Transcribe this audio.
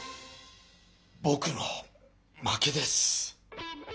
ぼくの負けです。